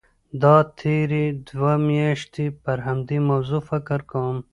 دا تېرې دوه میاشتې پر همدې موضوع فکر کوم.